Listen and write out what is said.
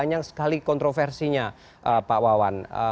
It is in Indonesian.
banyak sekali kontroversinya pak wawan